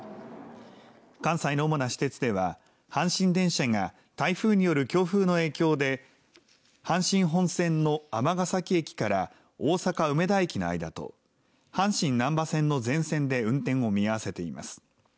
関西の主な私鉄では阪神電車が台風による強風の影響で阪神本線の尼崎駅から大阪梅田駅の間と阪神なんば線の全線で運転を見合わせています。